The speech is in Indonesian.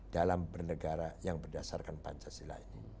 dalam bernegara yang berdasarkan pancasila ini